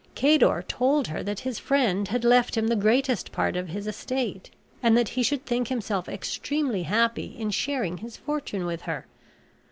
Cador told her that his friend had left him the greatest part of his estate; and that he should think himself extremely happy in sharing his fortune with her.